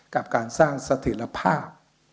กับการสร้างสถิตภาพ